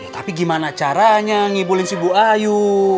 tapi gimana caranya ngibulin si bu ayu